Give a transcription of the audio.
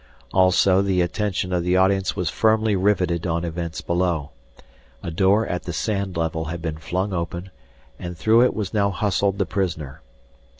Also the attention of the audience was firmly riveted on events below. A door at the sand level had been flung open, and through it was now hustled the prisoner.